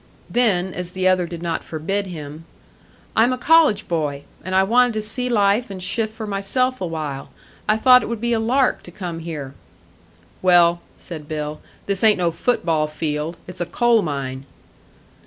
Then, as the other did not forbid him, "I'm a college boy, and I wanted to see life and shift for myself a while. I thought it would be a lark to come here." "Well," said Bill, "this ain't no foot ball field. It's a coal mine."